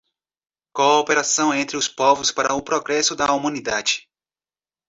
cooperação entre os povos para o progresso da humanidade;